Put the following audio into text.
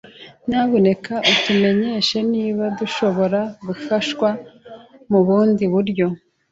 Nyamuneka utumenyeshe niba dushobora gufashwa mubundi buryo.